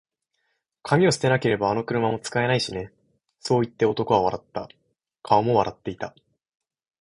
「紙を捨てなけれれば、あの車も使えないしね」そう言って、男は笑った。顔も笑っていた。